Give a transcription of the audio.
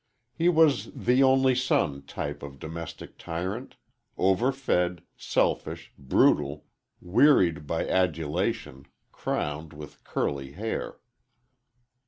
He was the only son type of domestic tyrant overfed, selfish, brutal, wearied by adulation, crowned with curly hair.